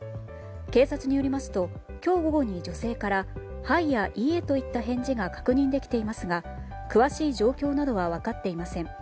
警察によりますと今日午後に女性からはいや、いいえといった返事が確認できていますが詳しい状況などは分かっていません。